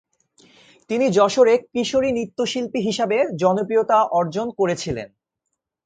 তিনি যশোরে কিশোরী নৃত্যশিল্পী হিসাবে জনপ্রিয়তা অর্জন করেছিলেন।